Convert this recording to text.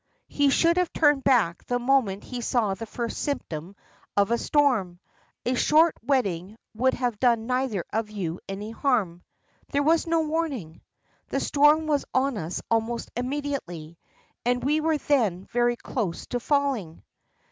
He should have turned back the moment he saw the first symptom of a storm. A short wetting would have done neither of you any harm." "There was no warning; the storm was on us almost immediately, and we were then very close to Falling."